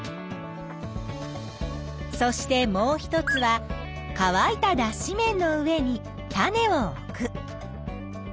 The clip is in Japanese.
そしてもう一つはかわいただっし綿の上に種を置く。